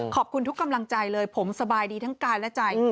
ขอบคุณทุกกำลังใจเลยผมสบายดีทั้งกายและใจ